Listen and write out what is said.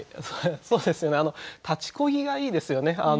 そうですよね「立ち漕ぎ」がいいですよね。